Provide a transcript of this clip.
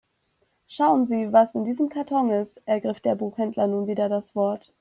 "Schauen Sie, was in diesem Karton ist", ergriff der Buchhändler nun wieder das Wort.